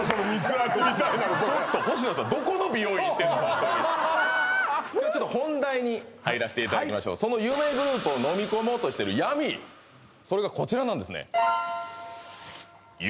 すごいちょっと本題に入らせていただきましょうその夢グループをのみ込もうとしてる闇それがこちらなんですねああ